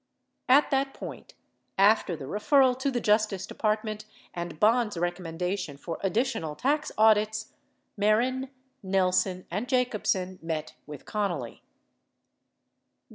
89 At that point — after the referral to the Justice Department and Bond's recommendation for additional tax audits — Mehren, Nelson, and J acobsen met with Connally.